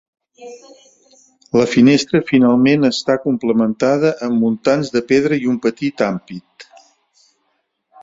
La finestra finalment està complementada amb muntants de pedra i un petit ampit.